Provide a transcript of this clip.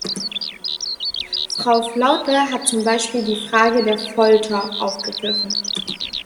Frau Flautre hat zum Beispiel die Frage der Folter aufgegriffen.